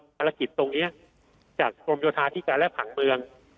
ภารกิจตรงนี้จากกรมโยธาธิการและผังเมือง